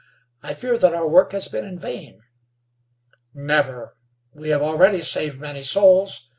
I fear that our work has been in vain." "Never. We have already saved many souls.